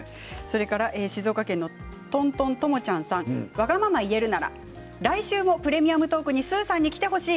わがまま言えるなら来週も「プレミアムトーク」スーさんが来てほしい。